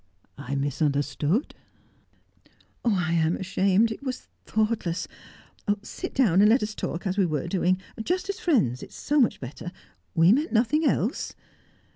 "I misunderstood ?" "I am ashamed it was thoughtless sit down and let us talk as we were doing. Just as friends, it is so much better. We meant nothing else."